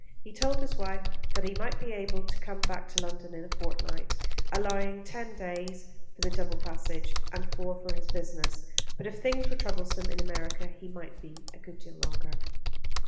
He told his wife that he might be able to come back to London in a fortnight, allowing ten days for the double passage, and four for his business; but if things were troublesome in America he might be a good deal longer.